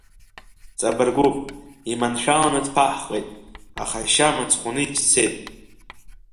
Ҵабыргуп, иманшәаланы дԥаҳҟеит, аха ашьа мыцхәны ицәцеит.